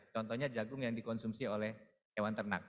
contohnya jagung yang dikonsumsi oleh hewan ternak